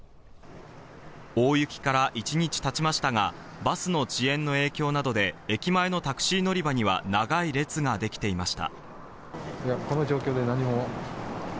大雪から一日経ちましたが、バスの遅延の影響などで、駅前のタクシー乗り場には長い列ができていました。